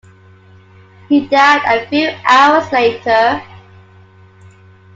He died a few hours later.